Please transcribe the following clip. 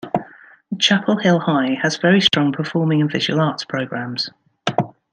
Chapel Hill High has very strong performing and visual arts programs.